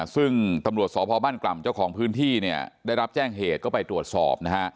ซึ่งตำรวจสพบ้านกล่ำเจ้าของพื้นที่เนี่ยได้รับแจ้งเหตุก็ไปตรวจสอบนะฮะ